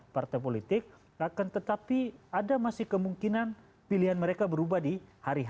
partai politik akan tetapi ada masih kemungkinan pilihan mereka berubah di hari h